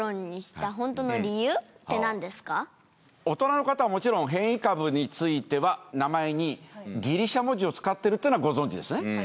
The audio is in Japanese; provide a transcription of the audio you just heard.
大人の方はもちろん変異株については名前にギリシャ文字を使ってるっていうのはご存じですね？